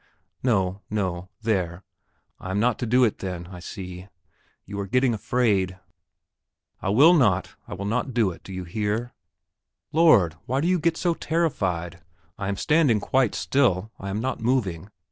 No, no; there, I am not to do it then, I see. You are getting afraid. I will not, I will not do it; do you hear? Lord, why do you get so terrified. I am standing quite still; I am not moving.